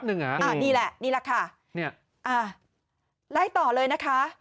นี่ค่ะนี่แหละนี่แหละค่ะเนี่ยอ่าไล่ต่อเลยนะคะ